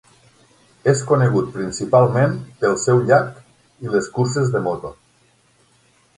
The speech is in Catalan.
És conegut principalment pel seu llac i les curses de moto.